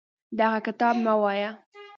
دغه کتاب مه وایه.